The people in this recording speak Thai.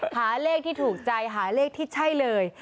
หาเลขที่ถูกใจหาเลขที่ใช่เลย